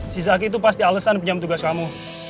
si jaki tuh pasti alesan pinjam tugas kamu